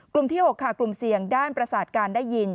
๖กลุ่มเสี่ยงด้านประสาทการณ์ได้ยิน